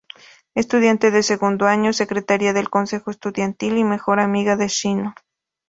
Estudiante de segundo año, secretaría del consejo estudiantil y mejor amiga de Shino.